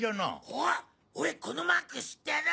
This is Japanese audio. おっ俺このマーク知ってる！